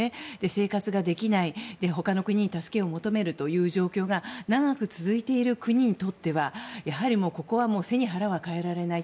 生活ができない他の国に助けを求める状況が長く続いている国にとってはやはりここは背に腹は代えられない。